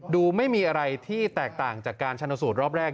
ดูไม่มีอะไรที่แตกต่างจากการชนสูตรรอบแรก